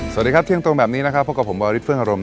สวัสดีครับเที่ยงตรงแบบนี้นะครับพบกับผมวาริสเฟื้องอารมณ